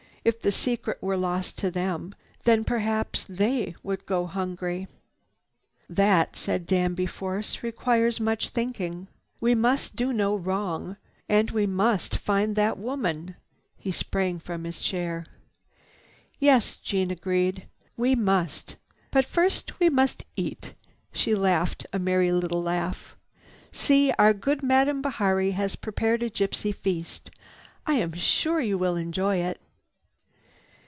If the secret were lost to them, then perhaps they would go hungry." "That," said Danby Force, "requires much thinking. We must do no wrong. And we must find that woman!" He sprang from his chair. "Yes," Jeanne agreed. "We must! But first we must eat." She laughed a merry laugh. "See! Our good Madame Bihari has prepared a gypsy feast. I am sure you will enjoy it."